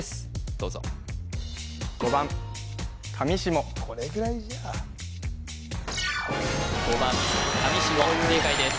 どうぞこれぐらいじゃあ５番かみしも正解です